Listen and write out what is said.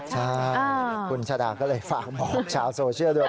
ใช่คุณชาดาก็เลยฝากบอกชาวโซเชียลด้วย